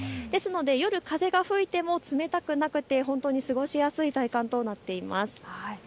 ですので夜風が吹いても冷たくなくて本当に過ごしやすい体感となっています。